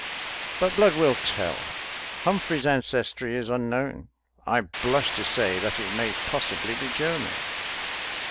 But blood will tell. Humphrey's ancestry is unknown; I blush to say that it may possibly be German.